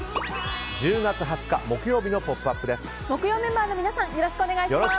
１０月２０日木曜日の「ポップＵＰ！」です。